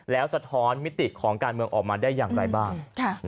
แล้วสะท้อนมิติของการเมืองออกมาได้อย่างไรบ้าง